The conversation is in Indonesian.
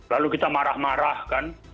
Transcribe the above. lalu kita marah marah kan